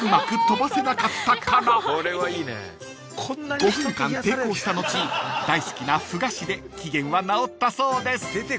［５分間抵抗した後大好きなふ菓子で機嫌は直ったそうです］